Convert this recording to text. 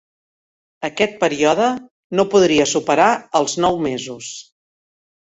Aquest període no podria superar els nou mesos.